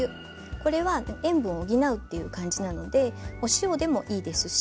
これは塩分を補うっていう感じなのでお塩でもいいですし。